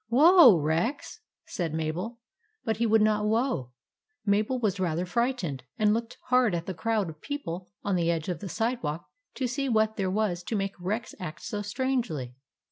" Whoa, Rex !" said Mabel, but he would not whoa. Mabel was rather frightened, and looked hard at the crowd of people on the edge of the sidewalk to see what there was to make Rex act so strangely.